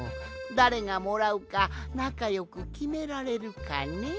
だれがもらうかなかよくきめられるかね？